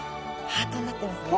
ハートになってますね。